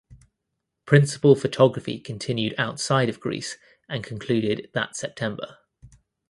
Principal photography continued outside of Greece and concluded that September.